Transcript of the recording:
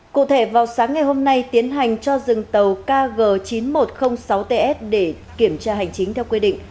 cụ thể vào sáng ngày hôm nay tiến hành cho dừng tàu kg chín mươi một nghìn sáu mươi ts để kiểm tra hành chính theo quy định